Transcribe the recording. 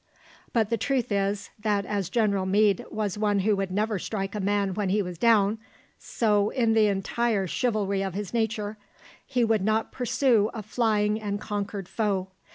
But the truth is, that as General Meade was one who would never strike a man when he was down, so, in the entire chivalry of his nature, he would not pursue a flying and conquered foe.